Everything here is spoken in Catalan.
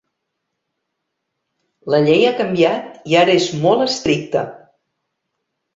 La llei ha canviat i ara és molt estricta.